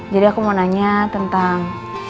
jadi aku mau nanya tentang